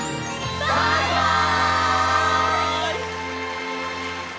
バイバイ！